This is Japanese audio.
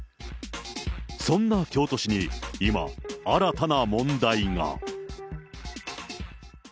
そんな京都市に、今、新たな問題が。